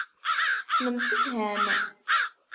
Nemsefham.